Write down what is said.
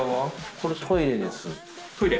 これトイレです。